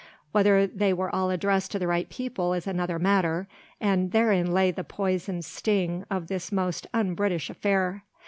Whether they were all addressed to the right people is another matter, and therein lay the poisoned sting of this most un British affair.